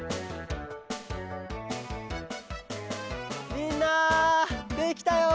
みんなできたよ！